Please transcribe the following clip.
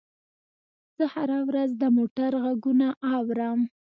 زه هره ورځ د موټر غږونه اورم.